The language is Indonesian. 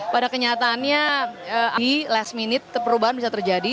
pada kenyataannya di last minute perubahan bisa terjadi